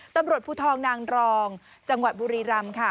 ตำรวจภูทรนางรองจังหวัดบุรีรำค่ะ